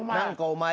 お前。